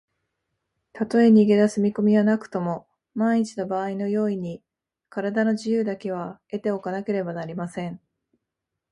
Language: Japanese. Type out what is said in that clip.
たとえ逃げだす見こみはなくとも、まんいちのばあいの用意に、からだの自由だけは得ておかねばなりません。